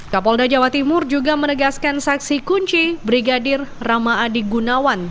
kapolda jawa timur juga menegaskan saksi kunci brigadir rama adi gunawan